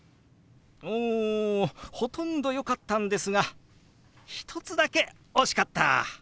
おほとんどよかったんですが１つだけ惜しかった！